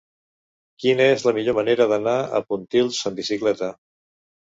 Quina és la millor manera d'anar a Pontils amb bicicleta?